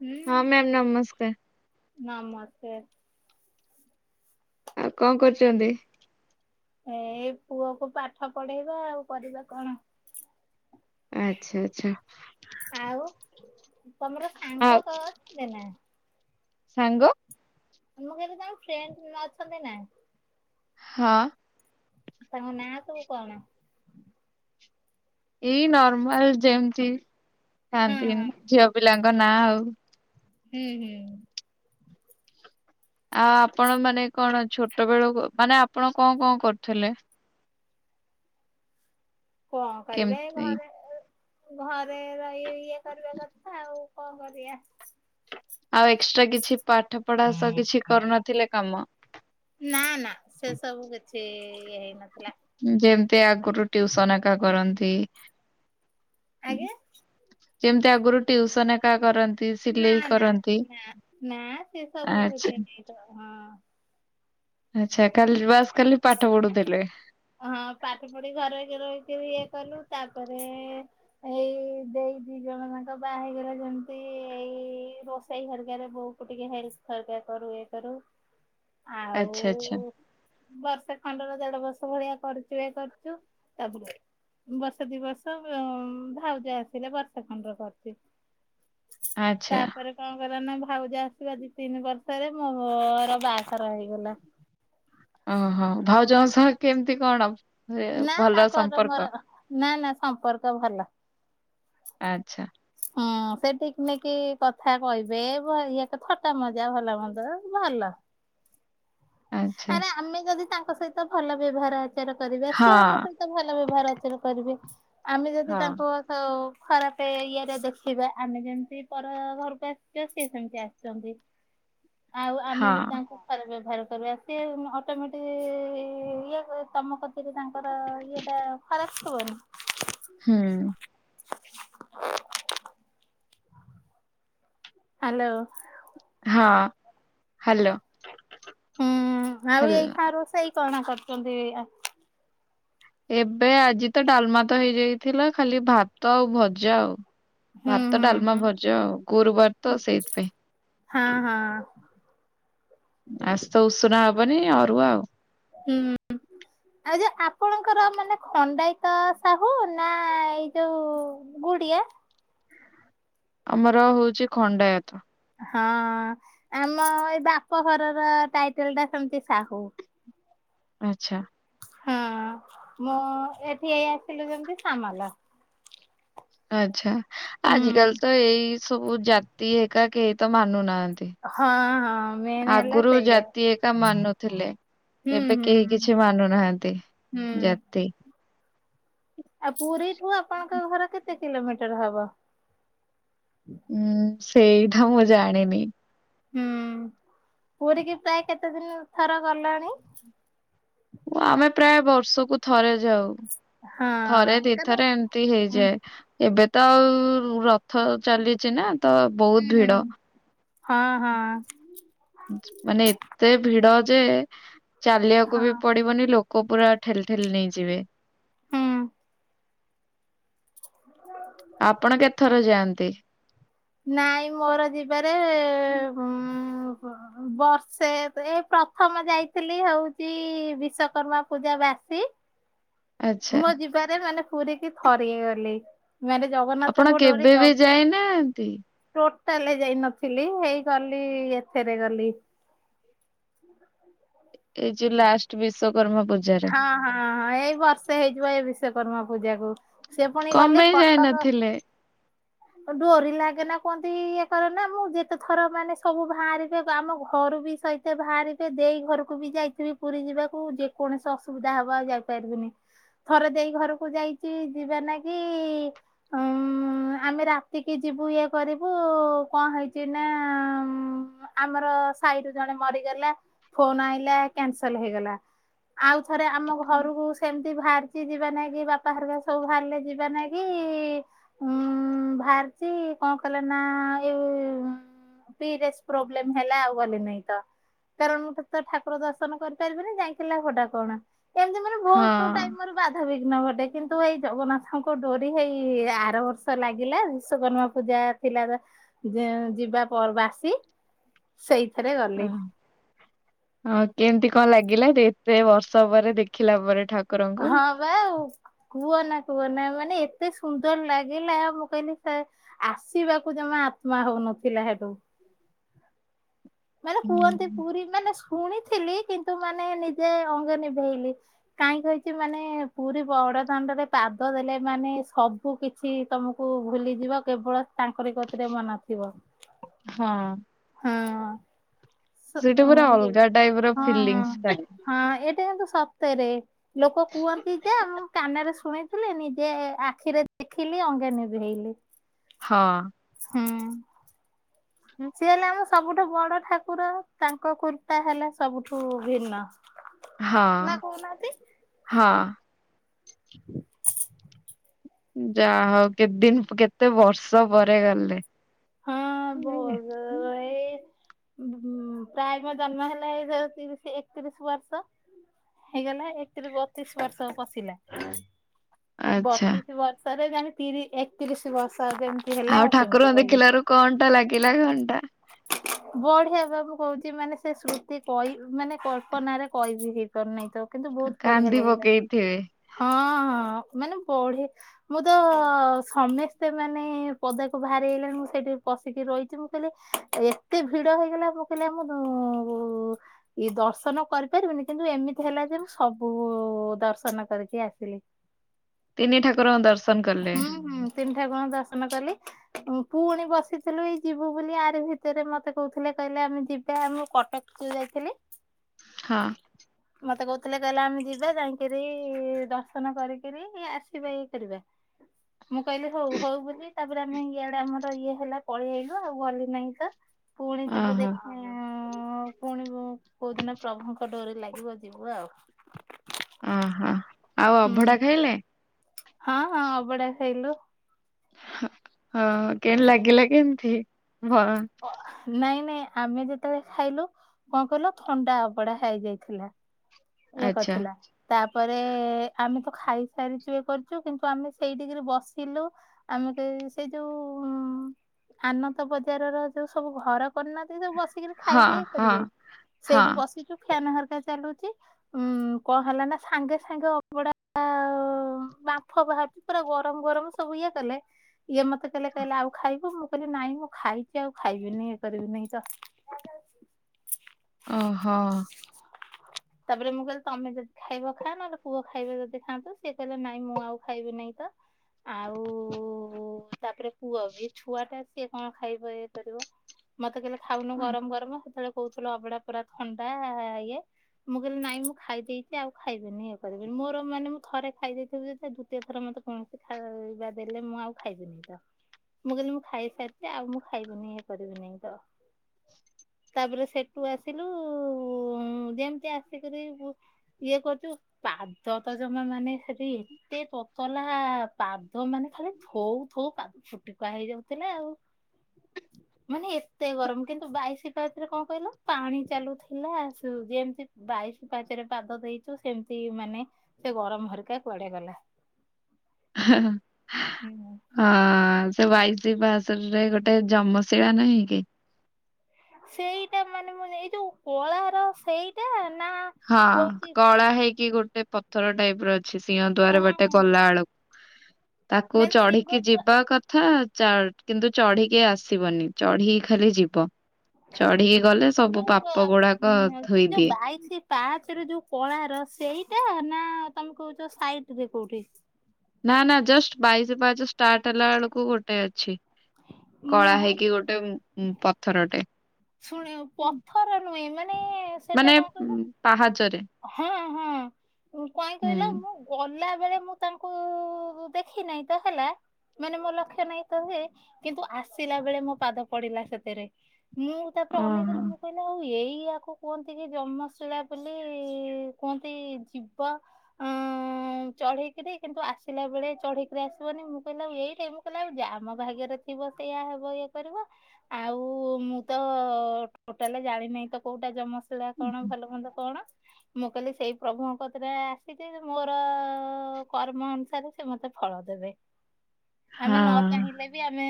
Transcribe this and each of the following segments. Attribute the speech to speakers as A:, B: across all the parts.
A: ହୁଁ
B: ହଁ ମ୍ୟାମ୍ ନମସ୍କାର।
A: ନମସ୍କାର।
B: ଆଉ କଣ କରୁଚନ୍ତି?
A: ଏ ପୁଅକୁ ପାଠ ପଢେଇବା ଆଉ କରିବା କଣ।
B: ଆଚ୍ଛା ଆଚ୍ଛା।
A: ଆଉ ତମର ସାଙ୍ଗ
B: ଆଉ
A: କ [unintelligible] ଥିବେନା?
B: ସାଙ୍ଗ?
A: ମୁଁ କହିଲି ତମ ଫ୍ରେଣ୍ଡ ଅଛନ୍ତି ନାଁ?
B: ହଁ।
A: ତାଙ୍କ ନାଁ ସବୁ କଣ?
B: ଏଇ ନର୍ମାଲ ଯେମିତି
A: ହଁ
B: ଥାଆନ୍ତି
A: ହଁ
B: ଝିଅ ପିଲାଙ୍କ ନାଁ ଆଉ।
A: ହୁଁ ହୁଁ।
B: ଆଉ ଆପଣ ମାନେ କଣ ଛୋଟ ବେଳୁ କ ମାନେ ଆପଣ କଣ କଣ କରୁଥିଲେ?
A: କଣ କରିବେ ଏ
B: କେମିତି
A: ଘରେ [unintelligible] ଘରେ ରଇ ଇଏ କରିବା କଥା ଆଉ କଣ କରିବା।
B: ଆଉ ଏକ୍ସଟ୍ରା କିଛି ପାଠ ପଢା ସହ କିଛି କରୁନଥିଲେ କାମ?
A: ନା ନା ସେ ସବୁ କିଛି ଇଏ ହେଇନଥିଲା।
B: ଯେମତି ଆଗରୁ ଟ୍ୟୁସନ ହେରିକା କରନ୍ତି।
A: ଆଜ୍ଞା।
B: ଯେମିତି ଆଗରୁ ଟ୍ୟିଉସନ ହେରିକା କରନ୍ତି।
A: ନା
B: ସିଲେଇ
A: ନା
B: କରନ୍ତି।
A: ନା ନା ସେ ସବୁ
B: ଆଚ୍ଛା
A: କିଛି ନାଇଁତ ହଁ।
B: ଆଚ୍ଛା କାଲ ବାସ୍ ଖାଲି ପାଠ ପଢୁଥିଲେ।
A: ହଁ ପାଠ ପଢିକି ଘର ରହିକି ରହିକିରି [unintelligible] ଇଏ କଲୁ ତାପରେ ଏଇ ଦେଇ ଦି ଜଣ ଯାଙ୍କ ବାହା ହେଇଗଲେ ଯେମିତି ଏଇ ରୋଷେଇ ହେରିକାରେ ବୋଉ ତାକୁ ଟିକେ ହେପ୍ଲ [unintelligible] କରୁ ଇଏ କରୁ। ଆଉ
B: ଆଚ୍ଛା ଆଚ୍ଛା।
A: ବର୍ଷେ ଖଣ୍ଡର ଦେଢ ବର୍ଷ ର୍ଷ ଭଳିଆ କରିଚୁ ଇଏ କରୁଚୁ ତା [unintelligible] ବର୍ଷ ଦି ବର୍ଷ ଭାଉଜ ଆସିଲେ ବର୍ଷା ଖଣ୍ଡ କରଛି
B: ଆଚ୍ଛା
A: ତାପରେ କଣ କଲା ନା ଭାଉଜ ଆସିବା ଦି ତିନି ବର୍ଷରେ ମୋର ବାହାଘର ହେଇଗଲା।
B: ଓହୋ ଭାଉଜଙ୍କ ସହ କେମତି କଣ
A: ନା
B: ଭଲ
A: ତାଙ୍କର ମୋର
B: ସମ୍ପର୍କ
A: ନା ନା ସମ୍ପର୍କ ଭଲ
B: ଆଚ୍ଛା
A: ହଁ ହଁ ସେ ଟିକ୍ ନିକ୍ କଥା କହିବେ ଇଏ ଏକ ଥଟା ମଜା ଭଲ ମନ୍ଦ ଭଲ
B: ଆଚ୍ଛା
A: ଆରେ ଆମେ ଯଦି ତାଙ୍କ ସହିତ ଭଲ ବ୍ୟବହାର ଆଚାର କରିବା ସିଏ ଆମ
B: ହଁ
A: ସହିତ ଭଲ ବ୍ୟବହାର ଅଛି କରିବେ ଆମେ ଯଦି
B: ହଁ
A: ତାଙ୍କ ହଉ ଖରାପ ଇୟ ରେ ଦେଖିବା ଆମେ ଯେମତି ପର ଘରକୁ ଆସିଛେ ସିଏ ସେମତି ଆସି ଛନ୍ତି ଆଉ ଆମେ ଯେ
B: ହଁ
A: ତାଙ୍କୁ ଖରାପ ବ୍ୟବହାର ସେ ବେଶୀ ଅଟୋମେଟିକ ଇଏ ତମକତିରେ ତାଙ୍କର
B: ହୁଁ
A: ଇଏଟା [unintelligible] ହ୍ୟାଲୋ
B: ହଁ ହ୍ୟାଲୋ
A: ହୁଁ ଆଉ ଏଇଖିଣା ରୋଷେଇ କଣ କରିଛନ୍ତି।
B: ଏବେ ଆଜି ତ ଡାଲମା ତ ହେଇଯାଇଥିଲା ଖାଲି ଭାତ ଆଉ ଭଜା ଆଉ
A: ହୁଁ
B: ଭାତ
A: ହୁଁ ହୁଁ।
B: ଡାଲମା ଭଜା ଆଉ ଗୁରୁବାର ତ ସେଇଥିପାଇଁ
A: ହଁ ହଁ
B: ଆଜି ତ ଉଷୁନା ହବନି ଅରୁଆ ଆଉ।
A: ହୁଁ। ଆଉ ଯୋଉ ଆପଣଙ୍କର ମାନେ ଖଣ୍ଡାଇତ ସାହୁ ନା ଏଇ ଯୋଉ ଗୁଡିଆ?
B: ଆମର ହଉଛି ଖଣ୍ଡାୟତ।
A: ହଁ ଆମ ଏଇ ବାପଘରର ଟାଇଟେଲ୍ ଟା ସେମତି ସାହୁ।
B: ଆଚ୍ଛା।
A: ହଁ ମୁଁ ଏଠି ଏଇ ଆସିଲି ଯେମିତି ସାମଲ।
B: ଆଚ୍ଛା
A: ହୁଁ
B: ଆଜିକାଲି ତ ଏଇ ସବୁ ଜାତି ଏକା କେହି ତ ମାନୁନାହାନ୍ତି।
A: ହଁ ହଁ ମେନ୍ ହେଲା
B: ଆଗରୁ
A: ସେଇଆ
B: ଜାତି ଏକା ମାନୁଥିଲେ।
A: ହୁଁ
B: ଏବେ
A: ହୁଁ
B: କେହି
A: ହୁଁ।
B: କିଛି ମାନୁନାହାନ୍ତି
A: ହୁଁ
B: ଜାତି।
A: ଆଉ ପୁରୀଠୁ ଆପଣଙ୍କ ଘର କେତେ କିଲୋମିଟର ହବ?
B: ହୁଁ ସେଇଠା ମୁଁ ଜାଣିନି।
A: ହୁଁ ପୁରୀ କି ପ୍ରାୟ କେତେ ଦିନ ଥର ଗଲଣି?
B: ଆମେ ପ୍ରାୟ ବର୍ଷକୁ ଥରେ ଯାଉ।
A: ହଁ
B: ଥରେ ଦି
A: କାରଣ
B: ଥର ଏମିତି
A: ହୁଁ
B: ହେଇଯାଏ। ଏବେ ତ ଆଉ ରଥ ଚାଲିଚି ନା ତ ବହୁତ
A: ହୁଁ
B: ଭିଡ।
A: ହଁ, ହଁ।
B: ମାନେ ଏତେ ଭିଡ ଯେ ଚାଲିବାକୁ
A: ହଁ
B: ବି ପଡିବନି ଲୋ କ ପୁରା ଠେଲି ଠେଲି ନେଇଯିବେ।
A: ହୁଁ
B: ଆପଣ କେତେଥର ଯାଆନ୍ତି?
A: ନାଇଁ ମୋର ଯିବାରେ ବର୍ଷେ ଏ ପ୍ରଥମ ଯାଇଥିଲି ହଉଛି ବିଶ୍ଵକର୍ମା ପୂଜା ବାସୀ।
B: ଆଚ୍ଛା
A: ମୁଁ ଯିବାରେ ମାନେ ପୁରୀ କି ଥରିଏ ଗଲି। ମାନେ
B: ଆପଣ
A: ଜଗନ୍ନାଥଙ୍କ
B: କେବେ
A: ଡୋରି
B: ବି
A: ଜ
B: ଯାଇନାହାନ୍ତି।
A: ଟୋଟାଲେ ଯାଇ ନଥିଲି ହେଇ ଗଲି ଏଥେରେ ଗଲି।
B: ଏଇ ଯଉ ଲାଷ୍ଟ ବିଶ୍ଵକର୍ମା ପୂଜା।
A: ହଁ, ହଁ, ହଁ ଏଇ ବର୍ଷେ ହେଇଯିବ ଏଇ ବିଶ୍ଵକର୍ମା ପୂଜାକୁ। ସେ ପୁଣି
B: କଣ
A: ଗଲି
B: ପାଇଁ
A: କଟକ
B: ଯାଇନଥିଲେ?
A: ଡୋରି ଲାଗେ ନା କୁହନ୍ତି ଇଏ କର ନା ମୁଁ ଯେତେ ଥର ମାନେ ସବୁ ବାହାରିବେ ଆମ ଘରୁ ବି ସହିତ ଏତେ ବାହାରିବେ ଦେଇ ଘରକୁ ବି ଯାଇଥିବି ପୁରୀ ଯିବାକୁ ଯେକୌଣସି ଅସୁବିଧା ହବ ଆଉ ଯାଇପାରିବିନି। ଥରେ ଦେଇ ଘରକୁ ଯାଇଛି ଯିବା ନା କି ଉଁ ଆମେ ରାତିକି ଯିବୁ ଇଏ କରିବୁ କଣ ହେଇଛି ନା ଆମର ସାହିରୁ ଜଣେ ମରିଗଲା ଫୋନ ଆଇଲା କ୍ୟାନସଲ ହେଇଗଲା। ଆଉ ଥରେ ଆମ ଘରକୁ ସେମିତି ବାହାରିଛି ଯିବା ନାଗି ବାପାହେରିକା ସବୁ ବାହାରିଲେ ଯିବା ନା କି ଉଁ ଭାହାରିଚି କଣ କଲେ ନା ଏଇ ସିରିୟେସ୍ ପ୍ରୋବ୍ଲେମ ହେଲା ଆଉ ଗଲି ନାଇଁ ତ। କାରଣ ମୁଁ ତ ତ ଠାକୁ ଦର୍ଶନ କରିପାରିବିନି ଯାଇଁକି ଲାଭଟା କଣ ଏମିତି ମୋର ବହୁତ ଟାଇମ୍
B: ହଁ।
A: ମୋର ବାଧାବିଘ୍ନ ଘଟେ କିନ୍ତୁ ଏଇ ଜଗନ୍ନାଥଙ୍କ ଡୋରି ହେଇ ଆର ବର୍ଷ ଲାଗିଲା ବିଶ୍ଵକର୍ମା ପୂଜା ଥିଲା ଯିବା ପରେ ବାସି ସେଇ
B: ଉ ହୁଁ। ହଁ କେମିତି କଣ ଲାଗିଲା ଏତେ ବର୍ଷ ପରେ ଦେଖିଲା ପରେ ଠାକୁ
A: ହଁ ପା ଆଉ। କୁହନା କୁହନା ମାନେ ଏତେ ସୁନ୍ଦର ଲାଗିଲା ମୁଁ କହିନି ସେ ଆସିବାକୁ ଜମା ଆତ୍ମା ହଉନଥିଲା ହେଟଉ। ମାନେ କୁହନ୍ତି
B: ହୁଁ।
A: ପୁରୀ ମାନେ ଶୁଣିଥିଲି କିନ୍ତୁ ମାନେ ନିଜେ ଅଙ୍ଗେ ନିଭେଇଲି। କାହିଁ କହିଛି ମାନେ ପୁରୀ ବଡଦାଣ୍ଡରେ ପାଦ ଦେଲେ ମାନେ ସବୁ ସବୁ କିଛି ତମକୁ ଭୁଲିଯିବ କେବଳ ତାଙ୍କରି କତିରେ ମନଥିବ।
B: ହଁ।
A: ହଁ।
B: ସେଇଟା
A: ସତ
B: ପୁରା
A: ଇଏ
B: ଅଲଗା ଟାଇପ ର
A: ହଁ
B: ଫିଲିଙ୍ଗସ୍ ଥାଏ
A: ହଁ ଏଇଟା କିନ୍ତୁ ସତରେ। ଲୋକ କୁହନ୍ତି ଯେ ମୁଁ କାନେରେ ଶୁଣିଥିଲି ନିଜେ ଆଖିରେ ଦେଖିଲି ଅଙ୍ଗେ ନିଭେଇଲି।
B: ହଁ।
A: ହୁଁ। ସିଏ ହେଲେ ଆମ ସବୁଠୁ ବଡ ଠାକୁର ତାଙ୍କ କୁର୍ପା ହେଲା ସବୁଠୁ ଭିନ୍ନ। ନା
B: ହଁ
A: କହୁନାହାନ୍ତି
B: ହଁ। ଯାହା ହଉ କେତେ ଦିନ କେତେ ବର୍ଷ ପରେ ଗଲେ।
A: ତୋ ଏଇ ପ୍ରାୟ ମୋ ଜନ୍ମ ହେଲା ଏ ତିରିଶ ଏକତିରିଶ ବର୍ଷ ହେଇଗଲା ଏକତିରି ବତିଶ ବର୍ଷ ପଶିଲା
B: ଆଚ୍ଛା
A: ବତିଶ ବର୍ଷରେ ଜାଣିତିରି ଏକତିରିଶ ବର୍ଷ ଯେମତି ହେଲା ଆଉ ସେମତି ଗଲି।
B: କଣ୍ଟା ଲାଗିଲା ଘଣ୍ଟା।
A: ବଢିଆ ସବୁ କହୁଛି ମାନେ ସେ ସ୍ମୃତି କଇ ମାନେ କଳ୍ପନାରେ କହିବି ହେ କରି ନାଇଁତ କିନ୍ତୁ ବହୁତ ବଢିଆ
B: କାନ୍ଦି
A: ଲାଗିଲା
B: ପକେଇଥିବେ
A: ହଁ ହଁ ମାନେ ବଢି ମୁଁ ତ ସମସ୍ତେ ମାନେ ପଦାକୁ ବାହାରି ଆଇଲେଣି ମୁଁ ସେଇଠି ପଶିକି ରହିଛି ମୁଁ କହିଲି ଏତେ ଭିଡ ହେଇଗଲା ମୁଁ କହିଲି ଆମର ଇଏ ଦର୍ଶନ କରିପାରିବିନି କିନ୍ତୁ ଏମିତି ହେଲା ଯେ ମୁଁ ସବୁ ଦର୍ଶନ କରିିକି ଆସିଲି।
B: ତିନି ଠାକୁରଙ୍କ ଦର୍ଶ
A: ହୁଁ ହୁଁ ତିନି ଠାକୁରଙ୍କ ଦର୍ଶନ କଲି। ପୁଣି ବସିଥିଲୁ ଏଇ ଯିବୁ ବୋଲି ଆର ଭିତରେ ମତେ କହୁଥିଲେ କହିଲେ ଆମେ ଯିବା ମୁଁ କଟକ [unintelligible] ଯାଇଥିଲି।
B: ହଁ।
A: ହ ମତେ କହୁଥିଲେ କହିଲେ ଆମେ ଯିବା ଯାଇକିରି ଦର୍ଶନ କରିକିରି ଆସିବା ଇଏ କରିବା। ମୁଁ କହିଲି ହୋଉ ହୋଉ ବୋଲି ତାପରେ ଆମେ ଇଆଡେ ଆମର ଇଏ ହେଲା ପଳେଇଆଇଲୁ ଆଉ ଗଲି ନାହିଁ ତ। ପୁଣି ଯିବୁ
B: ଓହୋ।
A: ଦେଖିଆ ପୁଣିିବୁ କୋଉ ଦିନ ପ୍ରଭୁଙ୍କ ଡୋରି ଲାଗିବ ଯିବୁ ଆଉ।
B: ଅହୋ ଆଉ
A: ହୁଁ
B: ଅଭଢା ଖାଇଲେ?
A: ହଁ ହଁ ଅବଢାଆ ଖାଇଲୁ।
B: ହଁ କେ ଲାଗିଲା କେମିତି ଭ
A: ନାଇଁ ନାଇଁ ଆମେ ଯେତେବେଳେ ଖାଇଲୁ କଣ କହିଲ ଥଣ୍ଡା ଅଭଢା ହେଇଯାଇଥିଲା। ଇଏ
B: ଆଚ୍ଛା
A: କଥିଲା। ତାପରେ ଆମେ ତ ଖାଇସାରିଛୁ କରିଛୁ କିନ୍ତୁ ଆମେ ସେଇଠିକରି ବସିଲୁ ଆମେ ସେ ସିଏ ଯୋଉ ଆନନ୍ଦ ବଜାରର ଯୋଉ ସବୁ ଘର କରିନାହାନ୍ତି ନା ସେଇ ଯୋଉ ବସିକିରି ଖାଇଦେଇ କରିବେ ସେଇଠି ବସିଛୁ ଫ୍ୟାନ୍ ହେରିକା ଚାଲୁଛି। ଉୁଁ କଣ ହେଲା ନା ସାଙ୍ଗେ ସାଙ୍ଗେ ଅବଢା ଆ ହଁ ବାମ୍ପ ବାହାରୁଛି ପୁରା ଗରମ ଗରମ ସବୁ ଇଏ କଲେ ଇଏ ମତେ କହିଲେ ଆଉ ଖାଇବୁ ମୁଁ କହିଲି ନାଇଁ ମୁଁ ଖାଇଛି ଆଉ ଖାଇବିନି ଇଏ କରିବିିନି ତ
B: ଓହୋ।
A: ତାପରେ ମୁଁ କହିଲି ତମେ ଯଦି ଖାଇବ ଖା ନହେଲେ ପୁଅ ଖାଇବ ଯଦି ଖାଆ ସିଏ କହିଲେ ନାଇଁ ମୁଁ ଆଉ ଖାଇବି ନାଇଁ ତ ଆଉ ତାପରେ ପୁଅ ବି ଛୁଆ ଟା ସିଏ କଣ ଖାଇବ ଇଏ କରିବ। ମତେ କହିଲେ ଖାଉନୁ ଗରମ ଗରମ ସେତେବେଳେ କହୁଥିଲୁ ଅବଢ଼ା ପୁରା ଥଣ୍ଡା ଇଏ ମୁଁ କହିଲି ନାଇଁ ମୁଁ ଖାଇ ଦେଇଛି ଆଉ ଖାଇବିନି ଇଏ କରିବନି ମୋର ମାନେ ଥରେ ଖାଇ ଦେଇଥିବି ଦ୍ୱିତୀୟ ଥର ମତେ କୌଣସି ଖାଇବା ଦେଲେ ମୁଁ ଆଉ ଖାଇବିନି ତ ମୁଁ କହିଲି ମୁଁ ଖାଇସାରିଛିି ଆଉ ମୁଁ ଖାଇବିନି ଇଏ କରିବିିନି ତ ତାପରେ ସେଠୁ ଆସିଲୁ ଯେ ଆସିକରି ଇଏ କରୁଛୁ ପାଦ ତ ଜମା ମାନେ ସେଠି ଏତେ ତତଲା ପାଦ ମାନେ ଖାଲି ଥଉ ଥଉ ପାଦ ଫୁଟୁକା ହେଇଯାଉଥିଲା ଆଉ। ହ ମାନେ ଏତେ ଗରମ କିନ୍ତୁ ବାଇଶି ପାହାଚରେ କଣ କହିଲ ପାଣି ଚାଲୁଥିଲା ଏମିତି ବାଇଶି ପାହଚ ରେ ପାଦ ଦେଇଛୁ ସେମିତି ମାନେ ସେ ଗରମ ହରିକା କୁଆଡେ ଗଲା।
B: ହ
A: ହୁଁ
B: ହଁ ସେ ବାଇଶି ପାହାଚରେ ଗୋଟେ ଯମଶିଳା ନହିଁ କି?
A: ସେଇଟା ମାନେ ମୁଁ ଏଇ ଯୋଉ କଳାର ସେଇଟା ନା
B: ହଁ
A: ହଉଛି
B: କଳା ହେଇକି ଗୋଟେ ପଥର ଟାଇପ୍ ର ଅଛି ସିଂହ
A: ହଁ
B: ଦ୍ୱାର ବାଟେ ଗଲା ଆଳୁକୁ। ତାକୁ
A: ମାନେ
B: ଚଢିକି
A: ସିଂହ
B: ଯିବା କଥା କଥା କିନ୍ତୁ ଚଢିକି ଆସିବନି ଚଢିକି ଖାଲି ଯିବ। ଚଢିକି ଗଲେ ସବୁ
A: ଯୋଉ
B: ପାପ ଗୁଡାକ ଧୋଇଦିଏ।
A: ପାହାଚରେ ଯୋଉ କଳାର ସେଇଟା ନା ତମେ କହୁଛ ସାଇଟ୍ ରେ କୋଉଠି।
B: ନା ନା ଜଷ୍ଟ୍ ବାଇଶି ପାହାଚ ଷ୍ଟାର୍ଟ ହେଲା ବେଳକୁ ଗୋଟେ ଅଛି। କଳା
A: ହଁ
B: ହେଇକି ଗୋଟେ ଉ ପଥରଟେ
A: ଶୁଣେ ପଥରା ନୁହେଁ ମାନେ ସେଟା
B: ମାନେ
A: କଁ କହିଲ
B: ଉଁ, ପାହାଚରେ।
A: ହଁ ହଁ କଇଁ
B: ହୁଁ।
A: କହିଲ ମୁଁ ଗଲା ବେଳେ ମୁଁ ତାଙ୍କୁ ଦେଖି ନାହିଁ ତ ହେଲା ମାନେ ମୋ ଲକ୍ଷ୍ୟ ନାହିଁ ତ ହୁଏ କିନ୍ତୁ ଆସିଲା ବେଳେ ମୋ ପାଦ ପଡିଲା ସେଥେରେ ମୁଁ ତାପରେ ଅନେଇ
B: ଓହୋ
A: ଦେଲି ମୁଁ କହିଲି ଆଉ ଏଇୟାକୁ କୁହଁନ୍ତି କି ଜନ୍ମଶିଳା ବୋଲି କୁହନ୍ତି ଯିବ ଅଁ ଚଢିକିରି କିନ୍ତୁ ଆସିଲା ବେଳେ ଚଢିକିରି ଆସିବନି ମୁଁ କହିଲି ଆଉ ଏଇଟାକୁ କହିଲି ଆଉ ଯାହା ମୋ ଭାଗ୍ୟରେ ଥିବ ସେଇୟଆ ହେବ ଇଏ କରିବ ଆଉ ମୁଁ ତ ଟୋଟାଲ ଜାଣିିନାହିଁ ତ କୋଉଟା ଜନ୍ମଶିଳା କଣ ଭଲ ମନ୍ଦ କଣ ମୁଁ କହିଲି ସେଇ ପ୍ରଭୁଙ୍କକତିରେ ଆସିକି ମୋର କର୍ମ ଅନୁସାରେ ସେ ମତେ ଫଳ ଦେବେ। ଆମେ ନ
B: ହଁ
A: ଚାହିଁଲେ ବି ଆମେ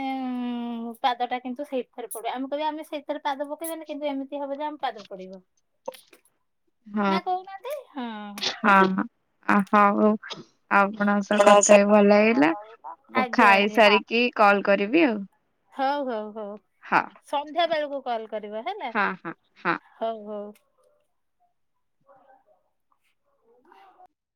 A: ପାଦ ଟା କିନ୍ତୁ ସେଇଥରେ ପଡିବ ଆମେ କହିବା ଆମେ ସେଥିରେ ପାଦ ପକେଇବାନି କିନ୍ତୁ ଏମିତି ହବ ଯେ ଆମ ପାଦ ପଡିବ
B: ହଁ
A: ନା କହୁନାହାନ୍ତି ହଁ।
B: ହଁହଁ ହଉ ଆପଣଙ୍କ ସହ କଥା ହେଇ ଭଲ ଲାଗିଲା ମୁଁ ଖାଇସାରିକି କଲ କରିବି ଆଉ।
A: ହଉ ହଉ ହଉ
B: ହଁ
A: ସନ୍ଧ୍ୟା ବେଳକୁ କଲ କରିବ ହେଲା?
B: ହଁ ହଁ ହଁ।
A: ହଉ ହଉ।